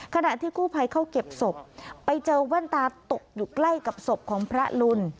ขณะที่กู้ภัยเข้าเก็บศพไปเจอแว่นตาตกอยู่ใกล้กับศพของพระลุน